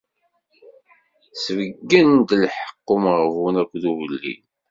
Sbeyyent-d lḥeqq umeɣbun akked ugellil.